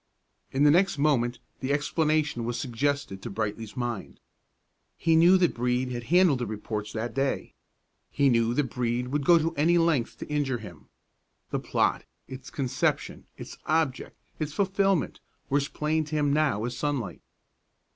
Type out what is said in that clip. In the next moment the explanation was suggested to Brightly's mind. He knew that Brede had handled the reports that day; he knew that Brede would go any length to injure him. The plot, its conception, its object, its fulfilment, were as plain to him now as sunlight.